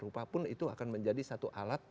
rupapun itu akan menjadi satu alat